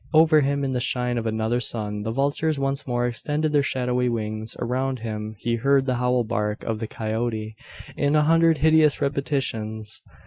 Over him, in the shine of another sun the vultures once more extended their shadowy wings. Around him he heard the howl bark of the coyote, in a hundred hideous repetitions.